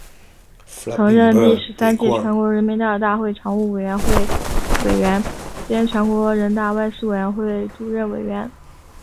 曾任第十二届全国人民代表大会常务委员会委员兼全国人大外事委员会主任委员。